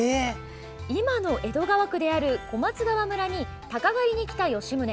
今の江戸川区である小松川村に鷹狩りに来た吉宗。